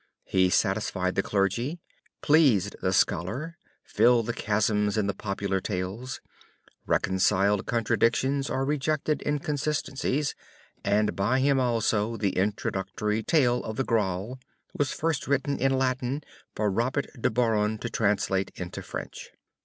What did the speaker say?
He satisfied the clergy, pleased the scholar, filled the chasms in the popular tales, reconciled contradictions, or rejected inconsistencies, and by him also the introductory tale of the Graal was first written in Latin for Robert de Borron to translate into French."